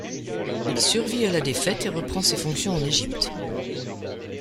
Il survit à la défaite et reprend ses fonctions en Égypte.